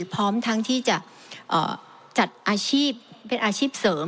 พร้อมทั้งที่จะจัดอาชีพเป็นอาชีพเสริม